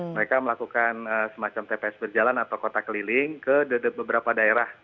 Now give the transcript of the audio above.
mereka melakukan semacam tps berjalan atau kota keliling ke beberapa daerah